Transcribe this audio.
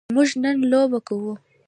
موږ نن لوبه کوو.